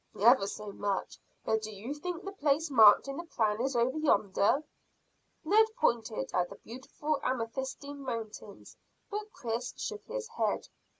"Ever so much; but do you think the place marked in the plan is over yonder?" Ned pointed at the beautiful amethystine mountains, but Chris shook his head.